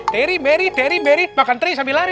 teri meri teri meri makan teri sambil lari